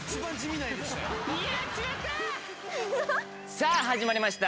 さぁ始まりました